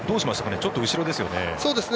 ちょっと後ろですよね。